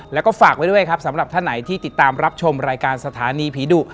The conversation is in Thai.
แล้วก็ฝากไว้ด้วยครับสำหรับท่านไหนที่ติดตามรับชมรายการสถานีผีดุ